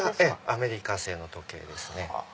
アメリカ製の時計ですね。